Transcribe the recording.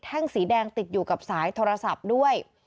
สีแดงติดอยู่กับสายโทรศัพท์ด้วย